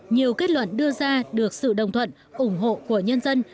nhiều kết luận đưa ra được sự đồng thuận ủng hộ của nhân dân